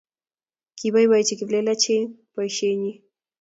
kiboiboichi kiplelachek boishenyi